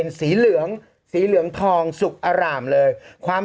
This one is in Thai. โอเคโอเคโอเคโอเคโอเค